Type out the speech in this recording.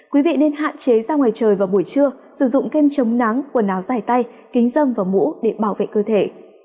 quý vị nên hạn chế ra ngoài trời vào buổi trưa sử dụng kem chống nắng quần áo dài tay kính dâm và mũ để bảo vệ cơ thể